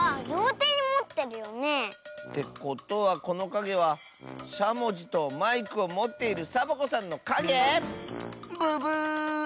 てことはこのかげはしゃもじとマイクをもっているサボ子さんのかげ⁉ブブー！